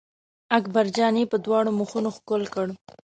اکبر جان یې په دواړو مخونو ښکل کړ.